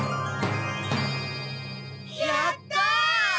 やった！